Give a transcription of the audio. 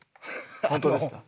本当ですか？